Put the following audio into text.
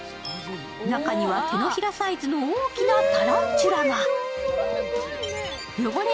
中には手のひらサイズの大きなタランチュラが。